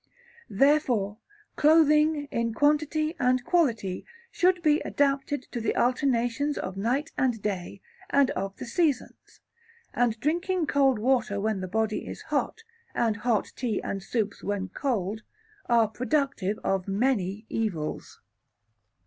Therefore, clothing, in quantity and quality, should be adapted to the alternations of night and day, and of the seasons; and drinking cold water when the body is hot, and hot tea and soups when cold, are productive of many evils.